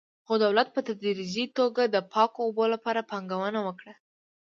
خو دولت په تدریجي توګه د پاکو اوبو لپاره پانګونه وکړه.